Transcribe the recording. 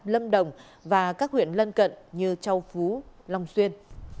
lâm đồng và các huyện lân cận như châu phú long xuyên